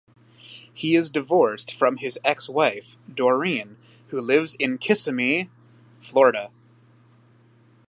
He is divorced from his ex-wife, Doreen, who lives in Kissimmee, Florida.